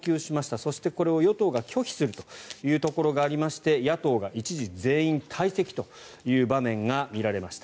そして、これを与党が拒否するというところがありまして野党が一時、全員退席という場面が見られました。